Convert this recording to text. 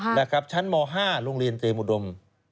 ใช่ครับชั้นม๕รุงเรียนเตรียมอุดม